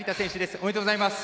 おめでとうございます。